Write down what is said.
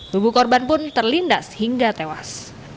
tubuh korban pun terlindas hingga tewas